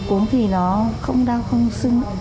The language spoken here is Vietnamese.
uống thì nó không đau không sưng